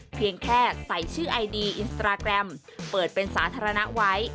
เพียงแค่ใส่ชื่อไอดีอินสตราแกรมเปิดเป็นสาธารณะไว้